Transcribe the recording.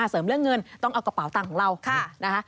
เสริมเรื่องเงินต้องเอากระเป๋าตังค์ของเรา